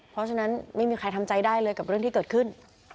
เพราะฉะนั้นไม่มีใครทำใจได้เลยกับเรื่องที่เกิดขึ้น